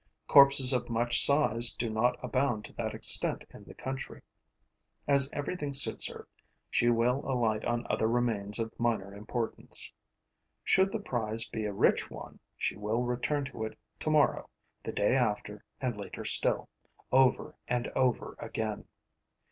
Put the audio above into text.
Corpses of much size do not abound to that extent in the country. As everything suits her, she will alight on other remains of minor importance. Should the prize be a rich one, she will return to it tomorrow, the day after and later still, over and over again.